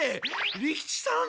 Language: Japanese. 利吉さん！